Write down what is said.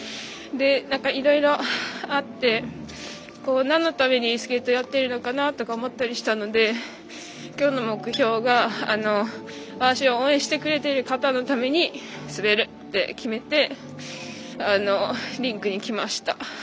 いろいろあって、なんのためにスケートやってるのかなとか思ったりしたのできょうの目標が私を応援してくれている方たちのために滑ると決めて、リンクに来ました。